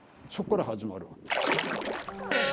そっから始まるわけ。